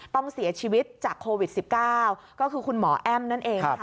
ต้องเสียชีวิตจากโควิด๑๙ก็คือคุณหมอแอ้มนั่นเองค่ะ